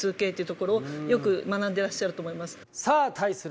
さあ対する